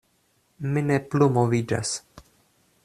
Mi ne plu moviĝas.